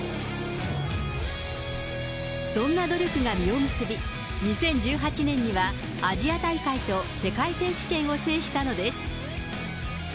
そんな努力が実を結び、２０１８年にはアジア大会と世界選手権を制したのです。